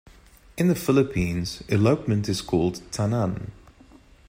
In the Philippines, elopement is called "tanan".